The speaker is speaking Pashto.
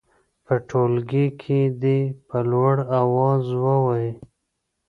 په ټولګي کې دې په لوړ اواز ووايي.